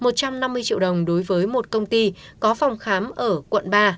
một trăm năm mươi triệu đồng đối với một công ty có phòng khám ở quận ba